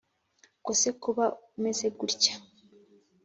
ubwo se kuba meze gutya